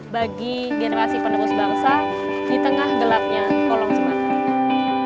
bagi generasi penerus bangsa di tengah gelapnya kolong semangat